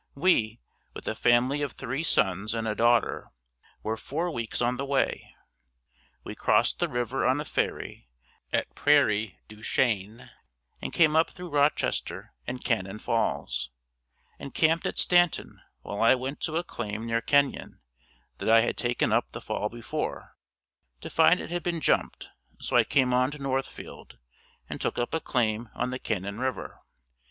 We, with a family of three sons and a daughter, were four weeks on the way. We crossed the river on a ferry at Prairie du Chien and came up through Rochester and Cannon Falls and camped at Stanton while I went to a claim near Kenyon, that I had taken up the fall before, to find it had been jumped so I came on to Northfield and took up a claim on the Cannon River.